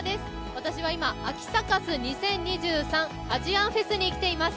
私は今、「秋サカス２０２３アジアンフェス」に来ています。